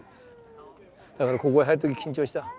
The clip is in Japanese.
だからここへ入る時緊張した。